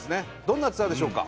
どんなツアーでしょうか？